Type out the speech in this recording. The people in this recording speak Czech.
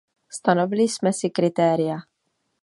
Stanovili jsme si kritéria.